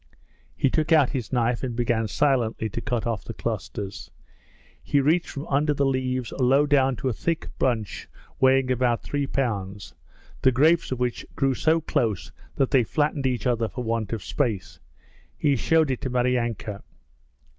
He took out his knife and began silently to cut off the clusters. He reached from under the leaves low down a thick bunch weighing about three pounds, the grapes of which grew so close that they flattened each other for want of space. He showed it to Maryanka.